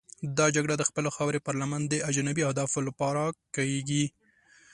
دا جګړه د خپلې خاورې پر لمن د اجنبي اهدافو لپاره کېږي.